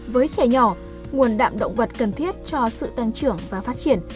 với trẻ nhỏ nguồn đạm động vật cần thiết cho sự tăng trưởng và phát triển